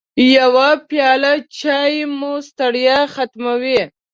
يوه پیاله چای مو ستړیا ختموي.